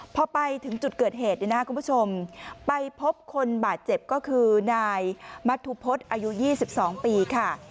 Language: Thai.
พอไปถึงจุดเกิดเหตุเนี่ยนะคุณผู้ชมไปพบคนบาดเจ็บก็คือนายมัธุพฤษอายุ๒๒ปีค่ะ